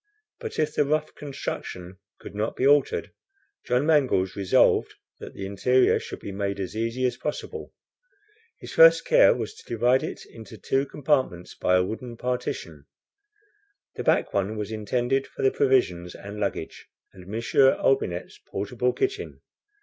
But if the rough construction could not be altered, John Mangles resolved that the interior should be made as easy as possible. His first care was to divide it into two compartments by a wooden partition. The back one was intended for the provisions and luggage, and M. Olbinett's portable kitchen.